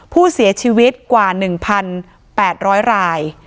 ผู้เสียชีวิตกว่า๑๘๐๐ราย